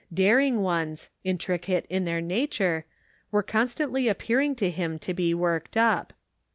Daring ones, intricate in their nature, were con stantly appearing to him to be worked up.